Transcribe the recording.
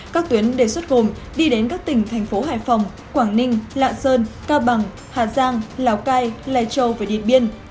các tuyến đề xuất gồm đi đến các tỉnh thành phố hải phòng quảng ninh lạng sơn cao bằng hà giang lào cai lai châu và điện biên